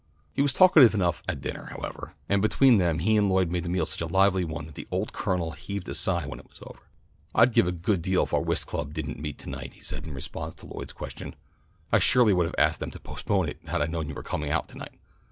He was talkative enough at dinner, however, and between them he and Lloyd made the meal such a lively one that the old Colonel heaved a sigh when it was over. "I'd give a good deal if our whist club didn't meet to night," he said in response to Lloyd's question. "I surely would have asked them to postpone it if I had known you were coming out to night."